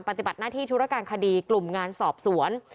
ปฏิบัติหน้าที่ธุรการคดีกลุ่มงานสอบสวน